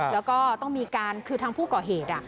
แล้วก็ต้องมีการคือทางผู้ก่อเหตุ